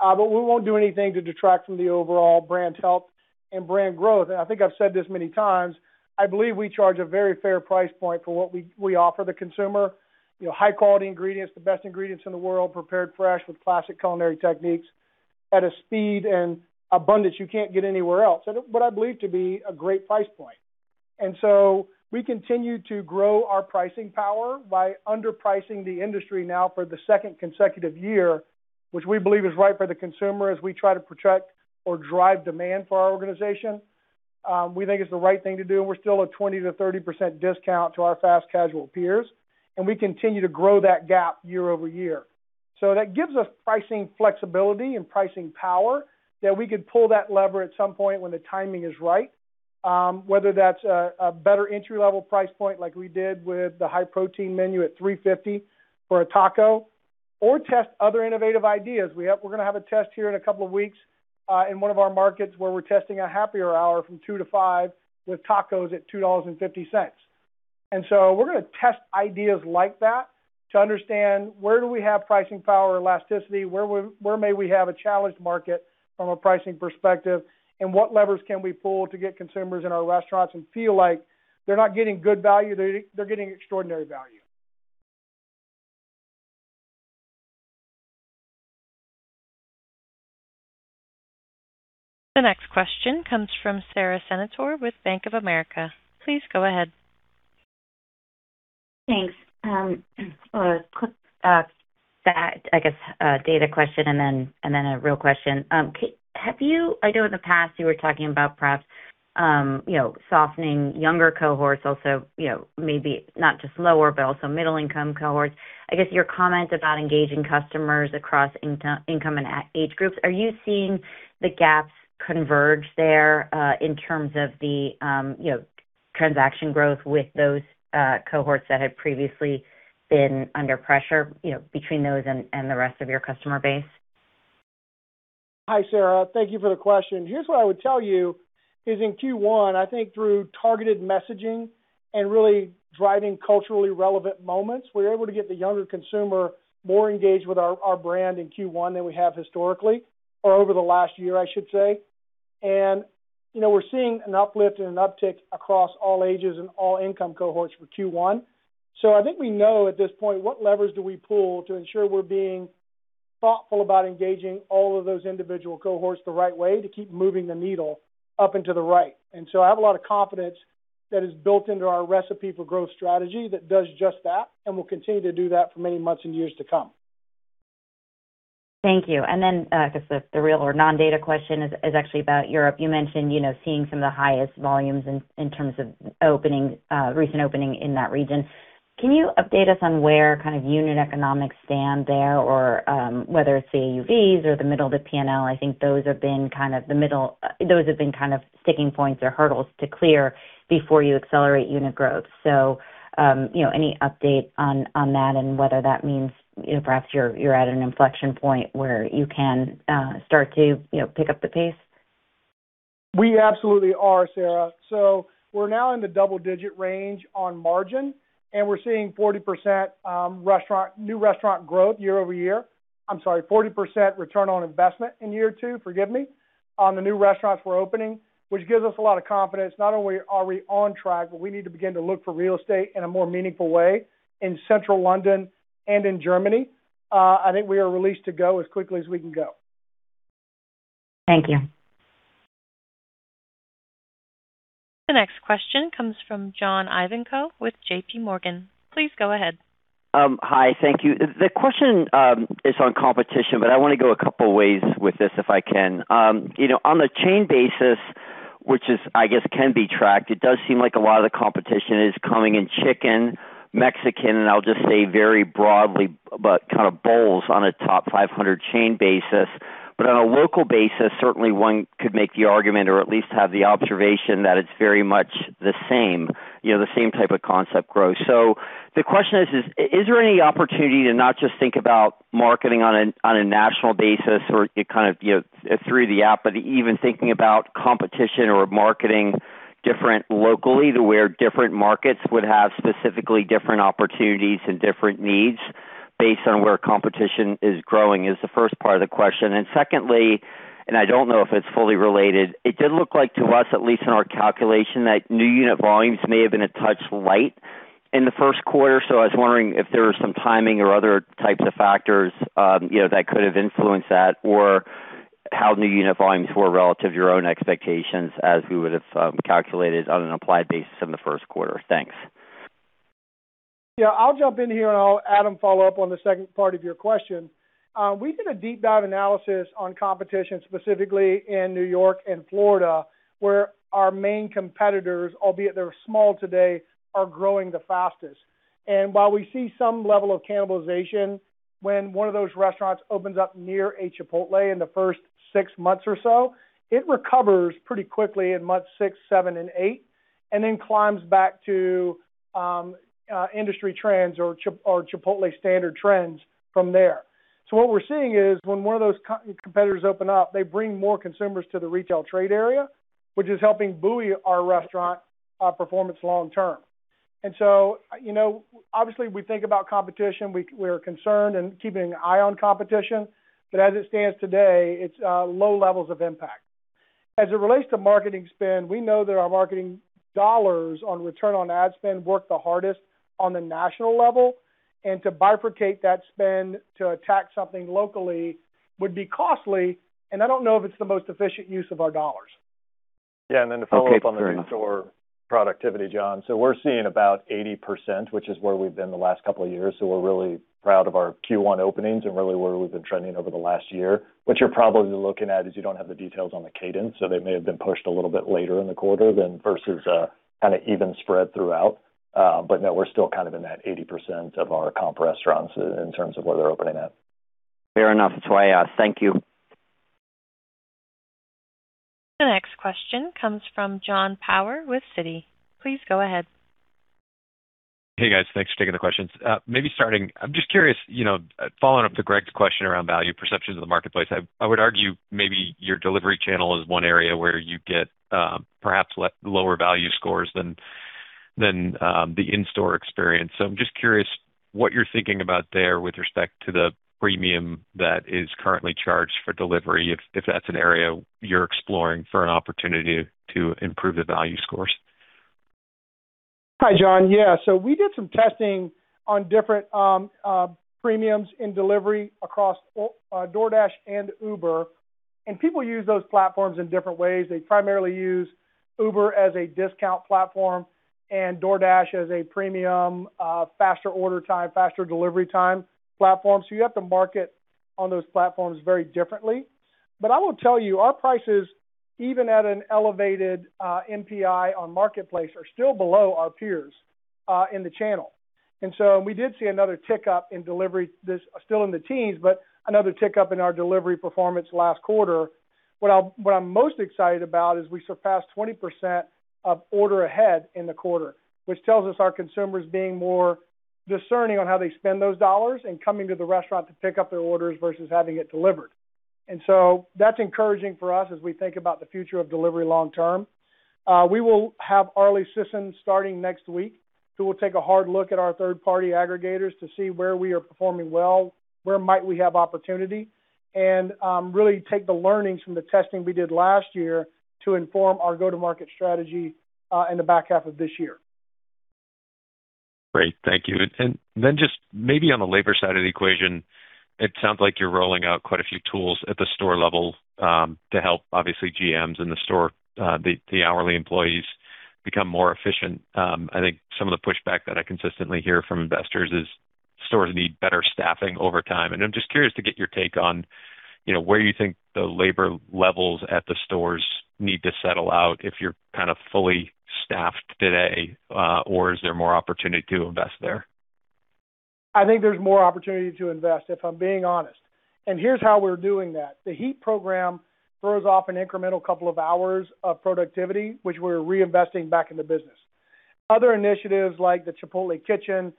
We won't do anything to detract from the overall brand health and brand growth. I think I've said this many times, I believe we charge a very fair price point for what we offer the consumer. You know, high-quality ingredients, the best ingredients in the world, prepared fresh with classic culinary techniques at a speed and abundance you can't get anywhere else at what I believe to be a great price point. We continue to grow our pricing power by underpricing the industry now for the second consecutive year. Which we believe is right for the consumer as we try to protect or drive demand for our organization. We think it's the right thing to do. We're still at 20%-30% discount to our fast casual peers, and we continue to grow that gap year-over-year. That gives us pricing flexibility and pricing power that we could pull that lever at some point when the timing is right, whether that's a better entry-level price point like we did with the high-protein menu at $3.50 for a taco or test other innovative ideas. We're gonna have a test here in a couple of weeks, in one of our markets where we're testing a Happier Hour from two to five with tacos at $2.50. We're gonna test ideas like that to understand where do we have pricing power elasticity, where may we have a challenged market from a pricing perspective, and what levers can we pull to get consumers in our restaurants and feel like they're not getting good value, they're getting extraordinary value. The next question comes from Sara Senatore with Bank of America. Please go ahead. Thanks. A quick stat, I guess, data question and then a real question. Have you, I know in the past you were talking about perhaps, you know, softening younger cohorts, also, you know, maybe not just lower but also middle income cohorts. I guess your comment about engaging customers across income and age groups, are you seeing the gaps converge there, in terms of the, you know, transaction growth with those cohorts that had previously been under pressure, you know, between those and the rest of your customer base? Hi, Sara. Thank you for the question. Here's what I would tell you is in Q1, I think through targeted messaging and really driving culturally relevant moments, we're able to get the younger consumer more engaged with our brand in Q1 than we have historically, or over the last year, I should say. You know, we're seeing an uplift and an uptick across all ages and all income cohorts for Q1. I think we know at this point what levers do we pull to ensure we're being thoughtful about engaging all of those individual cohorts the right way to keep moving the needle up and to the right. I have a lot of confidence that is built into our Recipe for Growth strategy that does just that and will continue to do that for many months and years to come. Thank you. I guess the real or non-data question is actually about Europe. You mentioned, you know, seeing some of the highest volumes in terms of recent opening in that region. Can you update us on where kind of unit economics stand there or whether it's the AUVs or the middle of the P&L? I think those have been kind of sticking points or hurdles to clear before you accelerate unit growth. Any update on that and whether that means, you know, perhaps you're at an inflection point where you can start to, you know, pick up the pace? We absolutely are, Sara. We're now in the double-digit range on margin, and we're seeing 40% new restaurant growth year-over-year. I'm sorry, 40% ROI in year two, forgive me, on the new restaurants we're opening, which gives us a lot of confidence. Not only are we on track, we need to begin to look for real estate in a more meaningful way in Central London and in Germany. I think we are released to go as quickly as we can go. Thank you. The next question comes from John Ivankoe with JPMorgan. Please go ahead. Hi. Thank you. The question is on competition. I wanna go a couple ways with this, if I can. You know, on a chain basis, which is, I guess, can be tracked, it does seem like a lot of the competition is coming in chicken, Mexican, and I'll just say very broadly, but kind of bowls on a top 500 chain basis. On a local basis, certainly one could make the argument or at least have the observation that it's very much the same, you know, the same type of concept growth. The question is there any opportunity to not just think about marketing on a national basis or kind of, you know, through the app, but even thinking about competition or marketing different locally to where different markets would have specifically different opportunities and different needs based on where competition is growing, is the first part of the question. Secondly, I don't know if it's fully related, it did look like to us, at least in our calculation, that new unit volumes may have been a touch light in the first quarter. I was wondering if there was some timing or other types of factors, you know, that could have influenced that or how new unit volumes were relative to your own expectations as we would have calculated on an applied basis in the first quarter. Thanks. Yeah. I'll jump in here and I'll have Adam follow up on the second part of your question. We did a deep dive analysis on competition, specifically in New York and Florida, where our main competitors, albeit they're small today, are growing the fastest. While we see some level of cannibalization when one of those restaurants opens up near a Chipotle in the first six months or so, it recovers pretty quickly in month six, seven and eight, and then climbs back to industry trends or Chipotle standard trends from there. What we're seeing is when one of those co-competitors open up, they bring more consumers to the retail trade area, which is helping buoy our restaurant performance long term. You know, obviously, we think about competition. We're concerned and keeping an eye on competition. As it stands today, it's low levels of impact. As it relates to marketing spend, we know that our marketing dollars on return on ad spend work the hardest on the national level. To bifurcate that spend to attack something locally would be costly, and I don't know if it's the most efficient use of our dollars. To follow up on the store productivity, John, we're seeing about 80%, which is where we've been the last couple of years. We're really proud of our Q1 openings and really where we've been trending over the last year. What you're probably looking at is you don't have the details on the cadence, so they may have been pushed a little bit later in the quarter than versus kind of even spread throughout. No, we're still kind of in that 80% of our comp restaurants in terms of where they're opening at. Fair enough. That's why I asked. Thank you. The next question comes from Jon Tower with Citi. Please go ahead. Hey, guys. Thanks for taking the questions. I'm just curious, you know, following up with Greg's question around value perceptions of the marketplace, I would argue maybe your delivery channel is one area where you get lower value scores than the in-store experience. I'm just curious what you're thinking about there with respect to the premium that is currently charged for delivery, if that's an area you're exploring for an opportunity to improve the value scores. Hi, Jon. Yeah. We did some testing on different premiums in delivery across DoorDash and Uber. People use those platforms in different ways. They primarily use Uber as a discount platform and DoorDash as a premium, faster order time, faster delivery time platform. You have to market on those platforms very differently. I will tell you, our prices, even at an elevated NPI on marketplace, are still below our peers in the channel. We did see another tick up in delivery. This are still in the teens, but another tick up in our delivery performance last quarter. What I'm most excited about is we surpassed 20% of order ahead in the quarter, which tells us our consumers being more discerning on how they spend those dollars and coming to the restaurant to pick up their orders versus having it delivered. That's encouraging for us as we think about the future of delivery long term. We will have Arlie Sisson starting next week, who will take a hard look at our third-party aggregators to see where we are performing well, where might we have opportunity, and really take the learnings from the testing we did last year to inform our go-to-market strategy in the back half of this year. Great. Thank you. Then just maybe on the labor side of the equation, it sounds like you're rolling out quite a few tools at the store level to help obviously GMs in the store, the hourly employees become more efficient. I think some of the pushback that I consistently hear from investors is stores need better staffing over time. I'm just curious to get your take on, you know, where you think the labor levels at the stores need to settle out if you're kind of fully staffed today, or is there more opportunity to invest there? I think there's more opportunity to invest, if I'm being honest, and here's how we're doing that. The H.E.A.T program throws off an incremental couple of hours of productivity, which we're reinvesting back in the business. Other initiatives like the Chipotle Kitchen,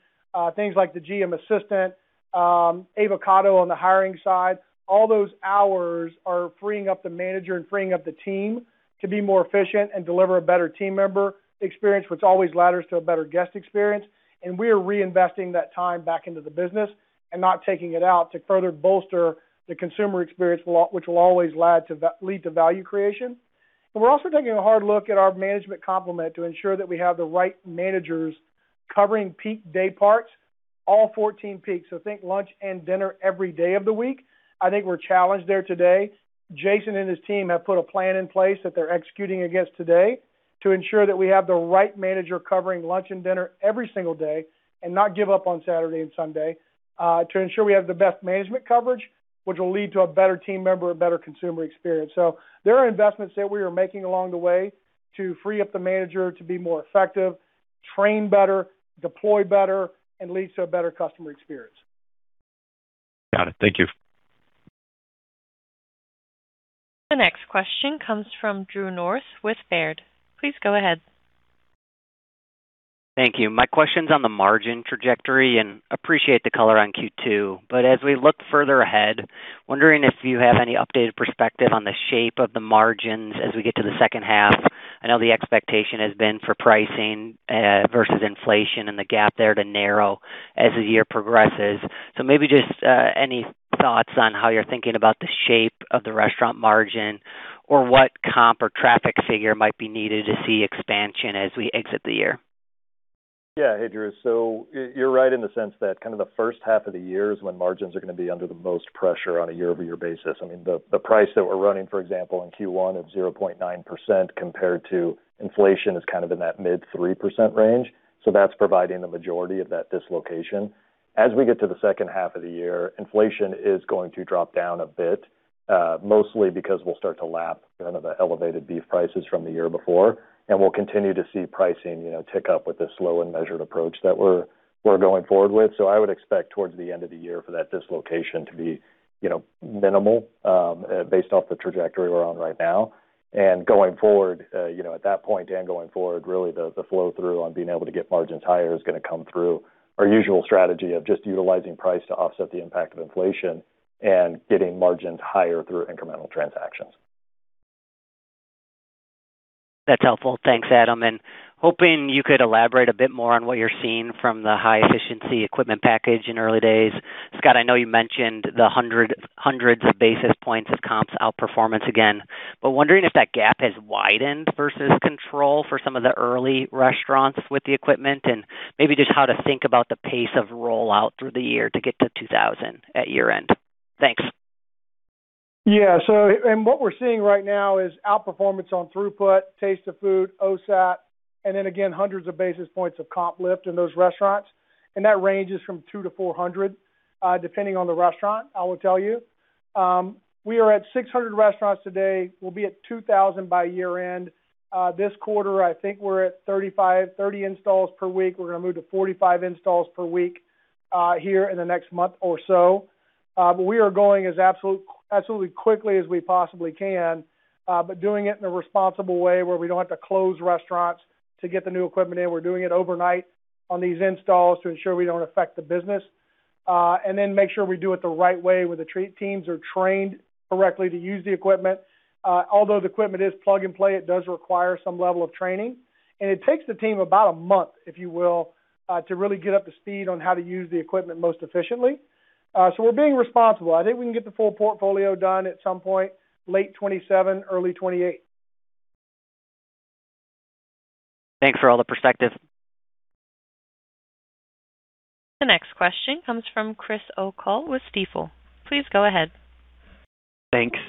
things like the GM Assistant, Avo Cado on the hiring side, all those hours are freeing up the manager and freeing up the team to be more efficient and deliver a better team member experience, which always ladders to a better guest experience. We are reinvesting that time back into the business and not taking it out to further bolster the consumer experience, which will always lead to value creation. We're also taking a hard look at our management complement to ensure that we have the right managers covering peak day parts, all 14 peaks. Think lunch and dinner every day of the week. I think we're challenged there today. Jason and his team have put a plan in place that they're executing against today to ensure that we have the right manager covering lunch and dinner every single day and not give up on Saturday and Sunday, to ensure we have the best management coverage, which will lead to a better team member, a better consumer experience. There are investments that we are making along the way to free up the manager to be more effective, train better, deploy better, and lead to a better customer experience. Got it. Thank you. The next question comes from Drew North with Baird. Please go ahead. Thank you. My question's on the margin trajectory, and appreciate the color on Q2. As we look further ahead, wondering if you have any updated perspective on the shape of the margins as we get to the second half. I know the expectation has been for pricing versus inflation and the gap there to narrow as the year progresses. Maybe just any thoughts on how you're thinking about the shape of the restaurant margin or what comp or traffic figure might be needed to see expansion as we exit the year. Yeah. Hey, Drew. You're right in the sense that kind of the first half of the year is when margins are going to be under the most pressure on a year-over-year basis. I mean, the price that we're running, for example, in Q1 of 0.9% compared to inflation is kind of in that mid 3% range. That's providing the majority of that dislocation. As we get to the second half of the year, inflation is going to drop down a bit, mostly because we'll start to lap kind of the elevated beef prices from the year before, and we'll continue to see pricing, you know, tick up with the slow and measured approach that we're going forward with. I would expect towards the end of the year for that dislocation to be, you know, minimal, based off the trajectory we're on right now. Going forward, you know, at that point and going forward, really the flow through on being able to get margins higher is gonna come through our usual strategy of just utilizing price to offset the impact of inflation and getting margins higher through incremental transactions. That's helpful. Thanks, Adam. Hoping you could elaborate a bit more on what you're seeing from the high-efficiency equipment package in early days. Scott, I know you mentioned the hundreds of basis points of comps outperformance again, wondering if that gap has widened versus control for some of the early restaurants with the equipment. Maybe just how to think about the pace of rollout through the year to get to 2,000 at year-end. Thanks. What we're seeing right now is outperformance on throughput, taste of food, OSAT, and then again, hundreds of basis points of comp lift in those restaurants. That ranges from 200-400 basis points, depending on the restaurant, I will tell you. We are at 600 restaurants today. We'll be at 2,000 by year-end. This quarter, I think we're at 35, 30 installs per week. We're gonna move to 45 installs per week here in the next month or so. We are going as absolutely quickly as we possibly can, but doing it in a responsible way where we don't have to close restaurants to get the new equipment in. We're doing it overnight on these installs to ensure we don't affect the business. Make sure we do it the right way, where the teams are trained correctly to use the equipment. Although the equipment is plug-and-play, it does require some level of training. It takes the team about a month, if you will, to really get up to speed on how to use the equipment most efficiently. We're being responsible. I think we can get the full portfolio done at some point late 2027, early 2028. Thanks for all the perspective. The next question comes from Chris O'Cull with Stifel. Please go ahead. Thanks.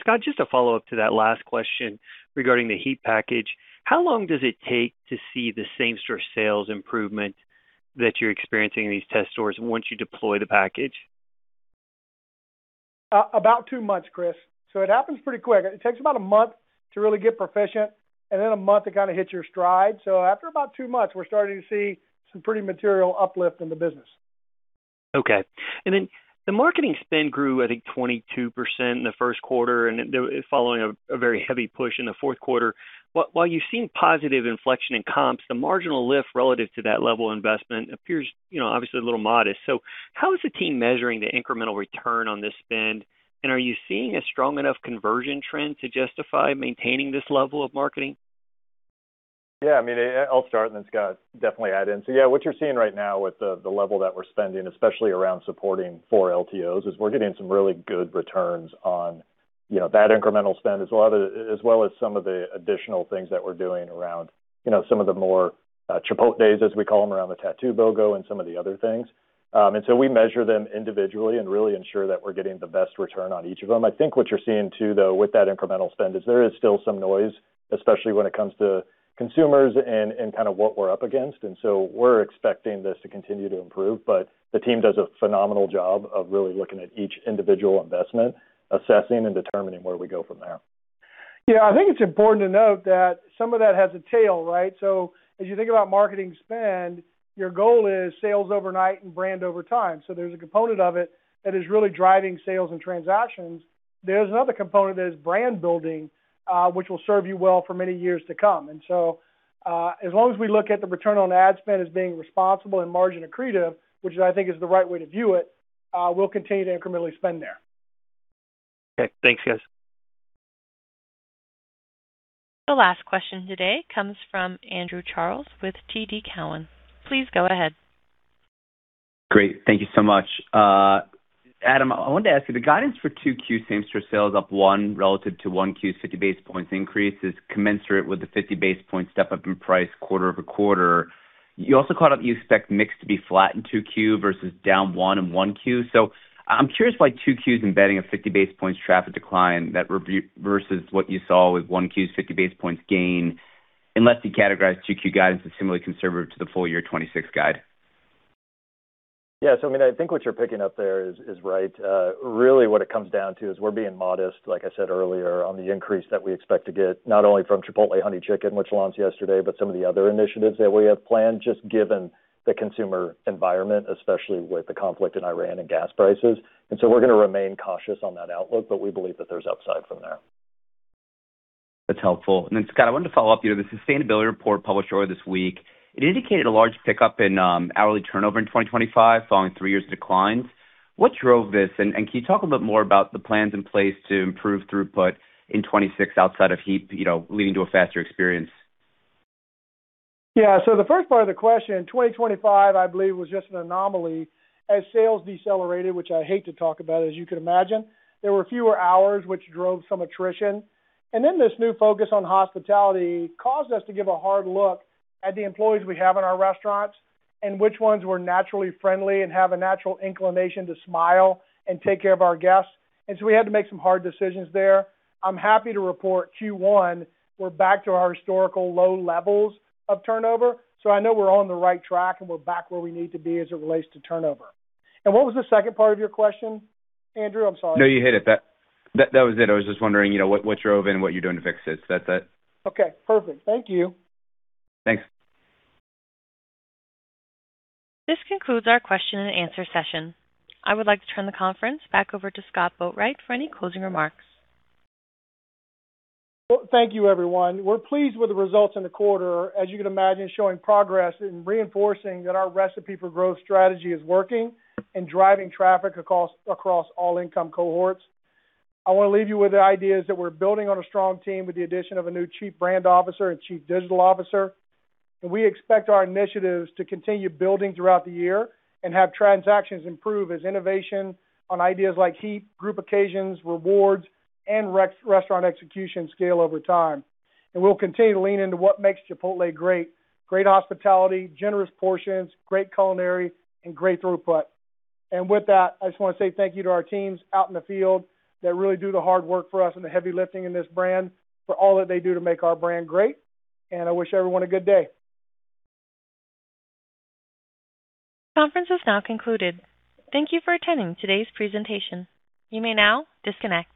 Scott, just a follow-up to that last question regarding the H.E.A.T package. How long does it take to see the same-store sales improvement that you're experiencing in these test stores once you deploy the package? About two months, Chris. It happens pretty quick. It takes about a month to really get proficient and then a month to kinda hit your stride. After about two months, we're starting to see some pretty material uplift in the business. Okay. The marketing spend grew, I think, 22% in the first quarter, and it followed a very heavy push in the fourth quarter. While you've seen positive inflection in comps, the marginal lift relative to that level of investment appears, you know, obviously a little modest. How is the team measuring the incremental return on this spend, and are you seeing a strong enough conversion trend to justify maintaining this level of marketing? Yeah, I mean, I'll start, and then Scott, definitely add in. Yeah, what you're seeing right now with the level that we're spending, especially around supporting 4 LTOs, is we're getting some really good returns on, you know, that incremental spend as well, as well as some of the additional things that we're doing around, you know, some of the more Chipotle days, as we call them, around the tattoo BOGO and some of the other things. We measure them individually and really ensure that we're getting the best return on each of them. I think what you're seeing too, though, with that incremental spend is there is still some noise, especially when it comes to consumers and kind of what we're up against. We're expecting this to continue to improve. The team does a phenomenal job of really looking at each individual investment, assessing and determining where we go from there. Yeah, I think it's important to note that some of that has a tail, right? As you think about marketing spend, your goal is sales overnight and brand over time. There's a component of it that is really driving sales and transactions. There's another component that is brand building, which will serve you well for many years to come. As long as we look at the return on ad spend as being responsible and margin accretive, which I think is the right way to view it, we'll continue to incrementally spend there. Okay. Thanks, guys. The last question today comes from Andrew Charles with TD Cowen. Please go ahead. Great. Thank you so much. Adam, I wanted to ask you. The guidance for 2Q same-store sales up 1% relative to 1Q's 50 basis points increase is commensurate with the 50 basis point step-up in price quarter-over-quarter. You also called out you expect mix to be flat in 2Q versus down 1% in 1Q. I'm curious why 2Q's embedding a 50 basis points traffic decline that re-versus what you saw with 1Q's 50 basis points gain, unless you categorize 2Q guidance as similarly conservative to the full year 2026 guide. Yeah. I mean, I think what you're picking up there is right. Really what it comes down to is we're being modest, like I said earlier, on the increase that we expect to get, not only from Chipotle Honey Chicken, which launched yesterday, but some of the other initiatives that we have planned, just given the consumer environment, especially with the conflict in Iran and gas prices. We're gonna remain cautious on that outlook, but we believe that there's upside from there. That's helpful. Scott, I wanted to follow up. You know, the sustainability report published earlier this week, it indicated a large pickup in hourly turnover in 2025 following three years declines. What drove this? Can you talk a little bit more about the plans in place to improve throughput in 2026 outside of H.E.A.T, you know, leading to a faster experience? The first part of the question, in 2025, I believe was just an anomaly as sales decelerated, which I hate to talk about, as you can imagine. There were fewer hours, which drove some attrition. This new focus on hospitality caused us to give a hard look at the employees we have in our restaurants and which ones were naturally friendly and have a natural inclination to smile and take care of our guests. We had to make some hard decisions there. I'm happy to report Q1 we're back to our historical low levels of turnover, I know we're on the right track, and we're back where we need to be as it relates to turnover. What was the second part of your question, Andrew? I'm sorry. No, you hit it. That was it. I was just wondering, you know, what drove it and what you're doing to fix it. Is that it? Okay, perfect. Thank you. Thanks. This concludes our question and answer session. I would like to turn the conference back over to Scott Boatwright for any closing remarks. Well, thank you, everyone. We're pleased with the results in the quarter, as you can imagine, showing progress in reinforcing that our Recipe for Growth strategy is working and driving traffic across all income cohorts. I wanna leave you with the ideas that we're building on a strong team with the addition of a new chief brand officer and chief digital officer. We expect our initiatives to continue building throughout the year and have transactions improve as innovation on ideas like H.E.A.T, group occasions, rewards, and re-restaurant execution scale over time. We'll continue to lean into what makes Chipotle great. Great hospitality, generous portions, great culinary, and great throughput. With that, I just wanna say thank you to our teams out in the field that really do the hard work for us and the heavy lifting in this brand for all that they do to make our brand great. I wish everyone a good day. Conference is now concluded. Thank you for attending today's presentation. You may now disconnect.